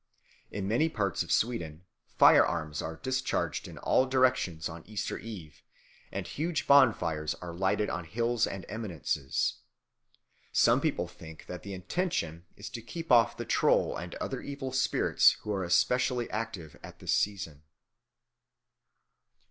In many parts of Sweden firearms are discharged in all directions on Easter Eve, and huge bonfires are lighted on hills and eminences. Some people think that the intention is to keep off the Troll and other evil spirits who are especially active at this season.